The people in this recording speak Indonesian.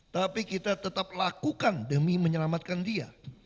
tapi kita tetap lakukan demi menyelamatkan dia